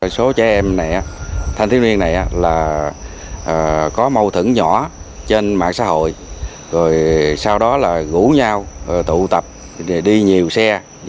số trẻ em này thanh thiếu niên này là có mâu thửng nhỏ trên mạng xã hội rồi sau đó là rủ nhau tụ tập đi nhiều xe